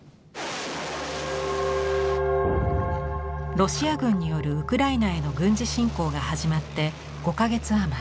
ロシア軍によるウクライナへの軍事侵攻が始まって５か月余り。